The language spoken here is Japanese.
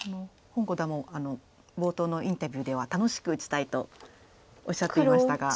洪五段も冒頭のインタビューでは楽しく打ちたいとおっしゃっていましたが。